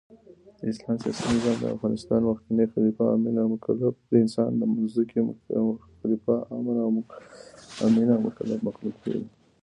د اسلام سیاسي نظام انسان د مځکي خلیفه، امین او مکلف مخلوق بولي.